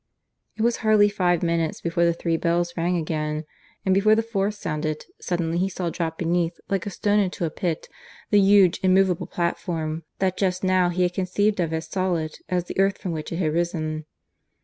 ... It was hardly five minutes before the three bells rang again; and before the fourth sounded, suddenly he saw drop beneath, like a stone into a pit, the huge immovable platform that just now he had conceived of as solid as the earth from which it had risen.